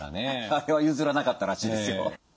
あれは譲らなかったらしいですよ。